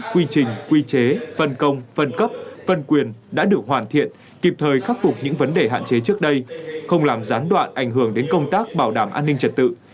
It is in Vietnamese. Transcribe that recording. quy trình quy chế phân công phân cấp phân quyền đã được hoàn thiện kịp thời khắc phục những vấn đề hạn chế trước đây không làm gián đoạn ảnh hưởng đến công tác bảo đảm an ninh trật tự